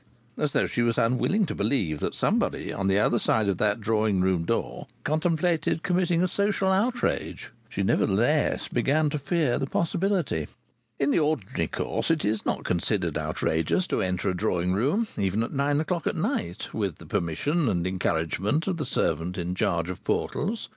As though she was unwilling to believe that somebody on the other side of that drawing room door contemplated committing a social outrage, she nevertheless began to fear the possibility. In the ordinary course it is not considered outrageous to enter a drawing room even at nine o'clock at night with the permission and encouragement of the servant in charge of portals.